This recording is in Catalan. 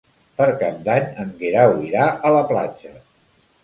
Per Cap d'Any en Guerau irà a la platja.